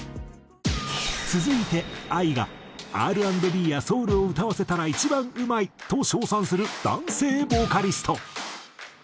続いてＡＩが「Ｒ＆Ｂやソウルを歌わせたら一番うまい！」と賞賛する男性ボーカリスト。